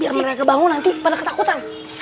tunggu nanti pada ketakutan